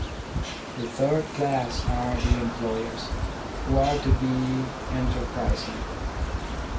The third class are the employers, who are to be enterprising.